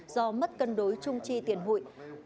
do mất cân đối chung chi tiền hụi